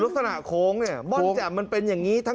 หรือลักษณะโค้งนี่ม่อนแจ่มันเป็นอย่างนี้